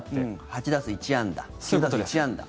８打数１安打９打数１安打。